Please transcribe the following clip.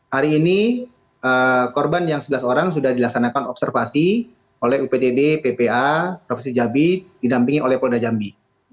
hari ini korban yang sebelas orang sudah dilaksanakan observasi oleh uptd ppa provinsi jambi didampingi oleh polda jambi